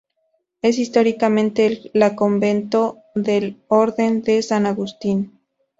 Es históricamente la convento del Orden de San Agustín.